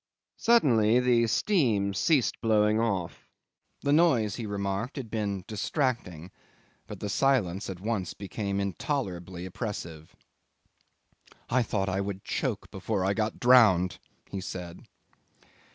..." Suddenly the steam ceased blowing off. The noise, he remarked, had been distracting, but the silence at once became intolerably oppressive. '"I thought I would choke before I got drowned," he said.